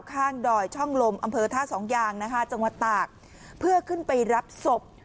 ดอยช่องลมอำเภอท่าสองยางนะคะจังหวัดตากเพื่อขึ้นไปรับศพ